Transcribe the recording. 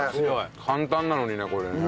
簡単なのにねこれね。